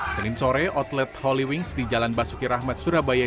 senin sore outlet holy wings di jalan basuki rahmat surabaya